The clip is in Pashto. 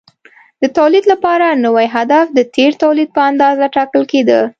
د تولید لپاره نوی هدف د تېر تولید په اندازه ټاکل کېده.